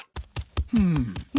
うん？